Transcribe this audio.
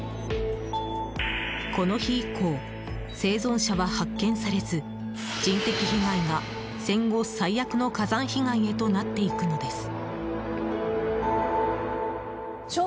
この日以降、生存者は発見されず人的被害が戦後最悪の火山被害へとなっていくのです。